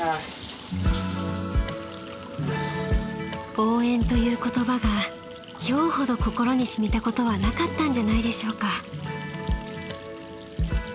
［応援という言葉が今日ほど心にしみたことはなかったんじゃないでしょうか］